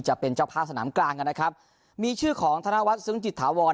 จะเป็นเจ้าภาพสนามกลางกันนะครับมีชื่อของธนวัฒนซึ้งจิตถาวร